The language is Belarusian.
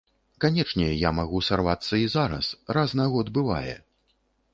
Канечне, я магу сарвацца і зараз, раз на год бывае.